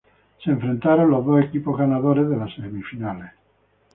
Se enfrentaron los dos equipos ganadores de las semifinales.